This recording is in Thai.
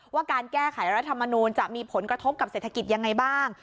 ว่าการแก้ไขรัฐมนูลจะมีผลกระทบกับเศรษฐกิจยังไงบ้าง